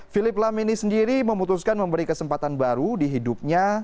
philiplam ini sendiri memutuskan memberi kesempatan baru di hidupnya